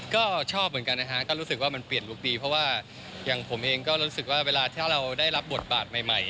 ก็ชอบเหมือนกันนะฮะก็รู้สึกว่ามันเปลี่ยนลุคดีเพราะว่าอย่างผมเองก็รู้สึกว่าเวลาถ้าเราได้รับบทบาทใหม่